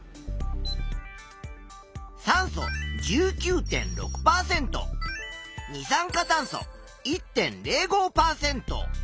酸素１９．６％二酸化炭素１．０５％。